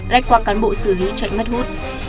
lách qua cán bộ xử lý chạy mất hút